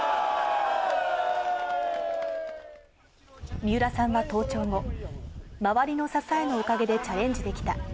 三浦さんは登頂後、周りの支えのおかげでチャレンジできた。